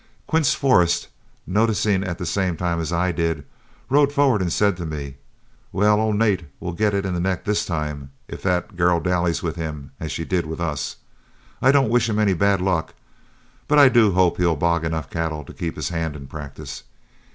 Quince Forrest, noticing it at the same time as I did, rode forward and said to me, "Well, old Nat will get it in the neck this time, if that old girl dallies with him as she did with us. I don't wish him any bad luck, but I do hope he'll bog enough cattle to keep his hand in practice.